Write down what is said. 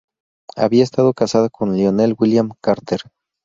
Había estado casada con Lionel William Carter.